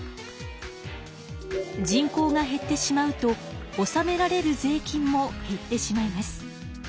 人口が減ってしまうとおさめられる税金も減ってしまいます。